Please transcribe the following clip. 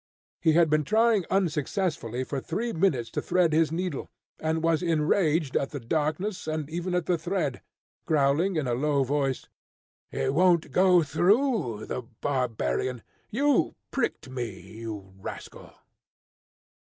He had been trying unsuccessfully for three minutes to thread his needle, and was enraged at the darkness and even at the thread, growling in a low voice, "It won't go through, the barbarian! you pricked me, you rascal!"